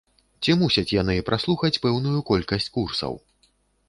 Ці мусяць яны праслухаць пэўную колькасць курсаў?